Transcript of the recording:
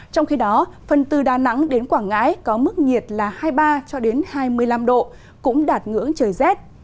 trong khi đó phần từ đà nẵng đến quảng ngãi có mức nhiệt là hai mươi ba hai mươi năm độ cũng đạt ngưỡng trời rét